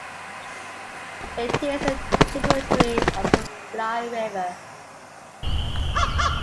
It is a tributary of the Fly River.